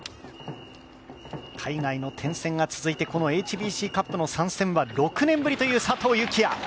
海外の転戦が続いて、このＨＢＣカップの参戦は６年ぶりという佐藤幸椰。